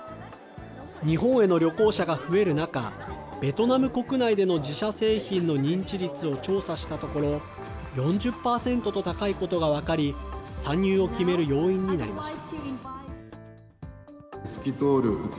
日本への旅行者が増える中、ベトナム国内での自社製品の認知率を調査したところ、４０％と高いことが分かり、参入を決める要因になりました。